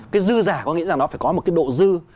cái dư giả có nghĩa rằng nó phải có một cái độ dư